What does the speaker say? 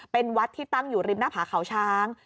เป็นวัดที่ตั้งอยู่ริมหน้าผาเขาช้าง